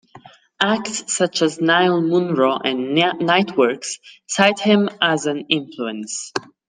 Acts such as Niall Munro and Niteworks cite him as an influence.